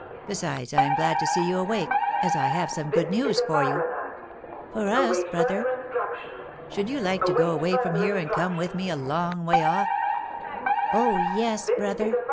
Besides, I am glad to see you awake, as I have some good news for you." "For us, brother?" "Should you like to go away from here, and come with me a long way off?" "Oh, yes, brother!"